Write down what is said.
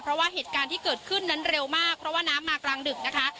เพราะว่าเหตุการณ์ที่เกิดขึ้นนั้นเร็วมากเพราะว่าน้ำมากลางดึกนะคะ